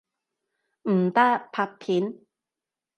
唔得，拍片！